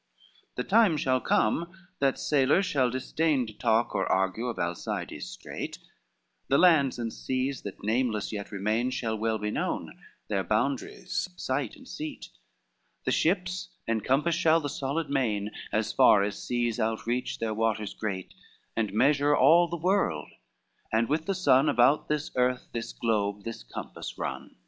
XXX "The time shall come that sailors shall disdain To talk or argue of Alcides' streat, And lands and seas that nameless yet remain, Shall well be known, their boundaries, site and seat, The ships encompass shall the solid main, As far as seas outstretch their waters great, And measure all the world, and with the sun About this earth, this globe, this compass, run.